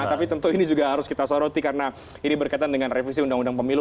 tapi tentu ini juga harus kita soroti karena ini berkaitan dengan revisi undang undang pemilu